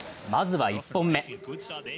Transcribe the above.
まずは１本目。